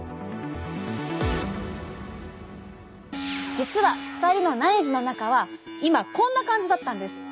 実は２人の内耳の中は今こんな感じだったんです。